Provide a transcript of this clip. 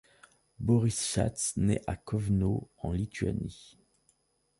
Boris Schatz naît à Kovno en Lituanie.